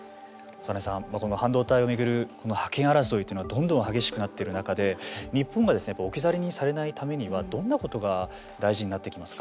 長内さん、この半導体を巡る覇権争いというのはどんどん激しくなっている中で日本が置き去りにされないためにはどんなことが大事になってきますか。